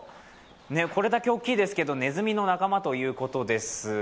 これだけ大きいですけど、ねずみの仲間ということです。